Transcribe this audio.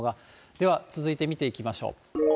では続いて見ていきましょう。